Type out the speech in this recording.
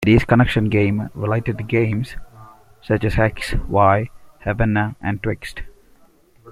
It is connection game, related to games such as Hex, Y, Havannah, and TwixT.